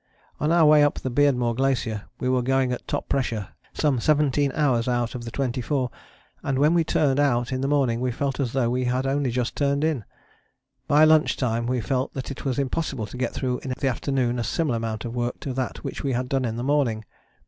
On our way up the Beardmore Glacier we were going at top pressure some seventeen hours out of the twenty four, and when we turned out in the morning we felt as though we had only just turned in. By lunch time we felt that it was impossible to get through in the afternoon a similar amount of work to that which we had done in the morning.